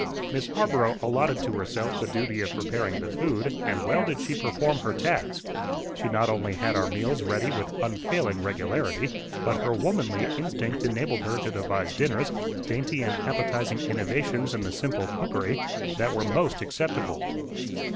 Miss Harborough allotted to herself the duty of preparing the food, and well did she perform her task. She not only had our meals ready with unfailing regularity, but her womanly instinct enabled her to devise dinners, dainty and appetising innovations in the simple cookery, that were most acceptable.